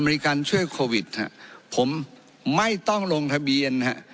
ริกันช่วยโควิดฮะผมไม่ต้องลงทะเบียนฮะ